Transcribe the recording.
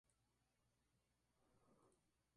Red abarca la vida del pintor Mark Rothko.